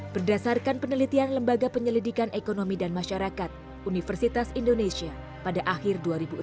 berdasarkan penelitian lembaga penyelidikan ekonomi dan masyarakat universitas indonesia pada akhir dua ribu enam belas